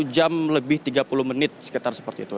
dua jam lebih tiga puluh menit sekitar seperti itu